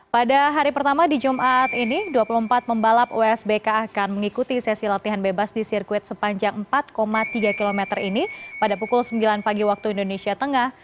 pada hari pertama di jumat ini dua puluh empat pembalap usbk akan mengikuti sesi latihan bebas di sirkuit sepanjang empat tiga km ini pada pukul sembilan pagi waktu indonesia tengah